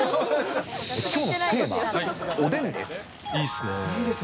きょうのテーマ、おでんです。